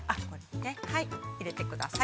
◆入れてください。